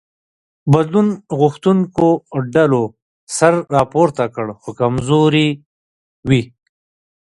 بدلون غوښتونکو ډلو سر راپورته کړ خو کمزوري وې.